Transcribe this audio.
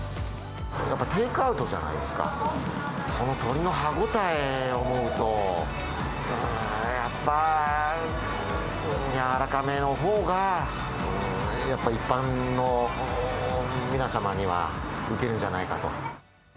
やっぱりテイクアウトじゃないですか、その鶏の歯応えを思うと、やっぱ、柔らかめのほうが、やっぱり一般の皆様には受けるんじゃないかと。